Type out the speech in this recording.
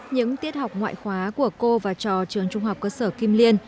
những tiết học ngoại khóa của cô và trò trường trung học cơ sở kim liên